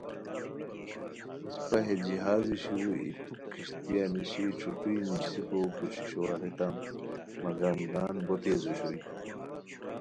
اِسپہ ہے جہازی شیرو ای پُھوک کشتیہ نیشی ݯھوݯھوئی نیسیکو کوششو اریتام مگم گان بوتیز اوشوئے